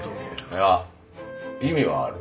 いや意味はある。